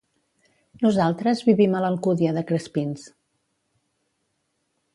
Nosaltres vivim a l'Alcúdia de Crespins.